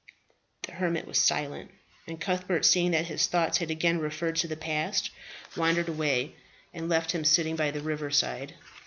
The hermit was silent, and Cuthbert, seeing that his thoughts had again referred to the past, wandered away, and left him sitting by the river side.